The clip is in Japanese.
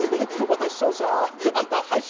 私勝者！あんた敗者！